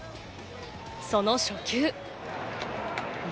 その初球。